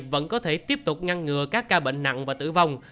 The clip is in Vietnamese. vẫn có thể tiếp tục ngăn ngừa các ca bệnh nặng và tử vong